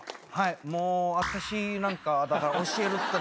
もう私なんかだから教えるってなって。